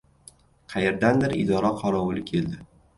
Qayerdandir idora qorovuli keldi.